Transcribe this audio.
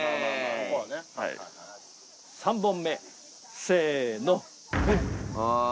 ３本目せの。